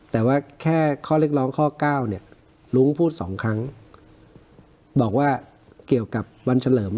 แต่ว่าแค่ข้อเรียกร้องข้อเก้าเนี่ยลุงพูดสองครั้งบอกว่าเกี่ยวกับวันเฉลิม